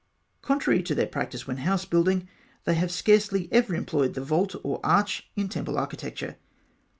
Contrary to their practice when house building, they have scarcely ever employed the vault or arch in temple architecture.